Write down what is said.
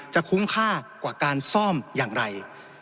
คุ้มค่ากว่าการซ่อมอย่างไร